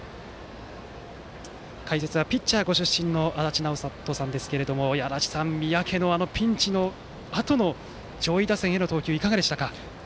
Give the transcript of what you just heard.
解説はピッチャーご出身の足達尚人さんですが三宅の、あのピンチのあとの上位打線への投球はいかがでしたか？